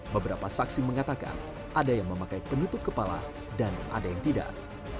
beberapa saksi mengatakan ada yang memakai penutup kepala dan ada yang tidak